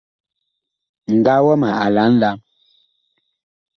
Ŋgaa wama a lɛ a nlam.